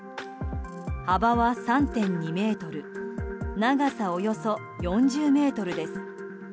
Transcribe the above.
幅は３．２ｍ長さおよそ４０ｍです。